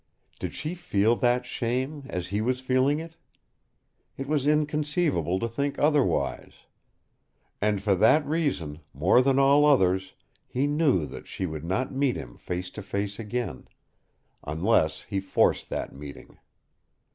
Did she feel that shame as he was feeling it? It was inconceivable to think otherwise. And for that reason, more than all others, he knew that she would not meet him face to face again unless he forced that meeting.